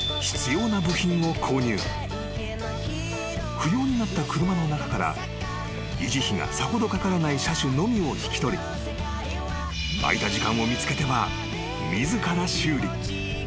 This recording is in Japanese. ［不要になった車の中から維持費がさほどかからない車種のみを引き取り空いた時間を見つけては自ら修理］